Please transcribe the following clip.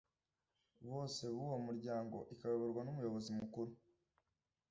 bose b’uwo muryango ikayoborwa n’umuyobozi mukuru